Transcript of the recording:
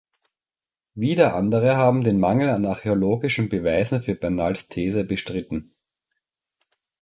Wieder andere haben den Mangel an archäologischen Beweisen für Bernals These bestritten.